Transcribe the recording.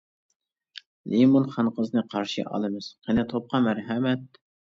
لىمون خانقىزنى قارشى ئالىمىز، قېنى توپقا مەرھەمەت!